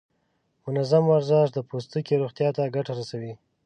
منظم ورزش د پوستکي روغتیا ته ګټه رسوي.